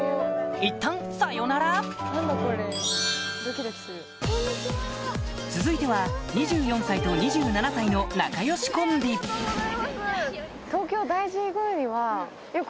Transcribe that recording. いったんさようなら続いては２４歳と２７歳の仲良しコンビあっ